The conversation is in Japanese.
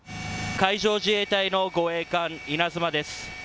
海上自衛隊の護衛艦、いなづまです。